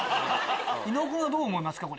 伊野尾君はどう思いますか？